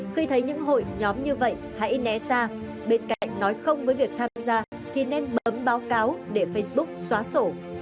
khi thấy những hội nhóm như vậy hãy né ra bên cạnh nói không với việc tham gia thì nên bấm báo cáo để facebook xóa sổ